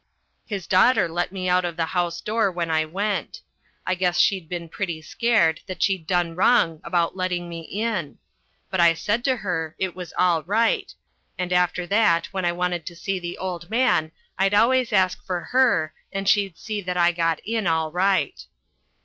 His daughter let me out of the house door when I went. I guess she'd been pretty scared that she'd done wrong about letting me in. But I said to her it was all right, and after that when I wanted to see the old man I'd always ask for her and she'd see that I got in all right.